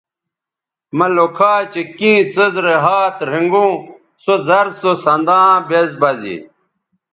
مہ لوکھا چہء کیں څیز رے ھات رھنگوں سو زر سو سنداں بیز بہ زے